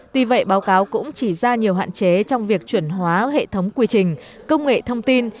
tuy vậy báo cáo cũng chỉ ra nhiều hạn chế trong việc chuẩn hóa hệ thống quy trình công nghệ thông tin